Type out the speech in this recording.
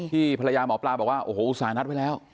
ภรรยาหมอปลาบอกว่าโอ้โหอุตส่าหนัดไว้แล้ว